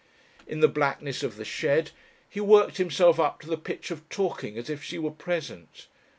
In the blackness of the shed he worked himself up to the pitch of talking as if she were present.